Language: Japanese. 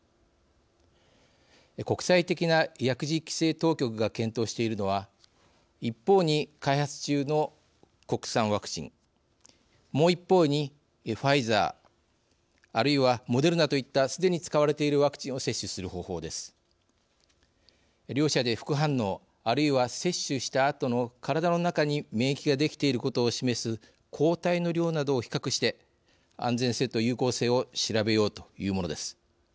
国際的な薬事規制当局が検討しているのは一方に開発中の国産ワクチンもう一方にファイザーあるいはモデルナといったすでに使われているワクチンを接種する方法です。両者で副反応あるいは接種したあとの体の中に免疫ができていることを示す抗体の量などを比較して安全性と有効性を調べようというものです。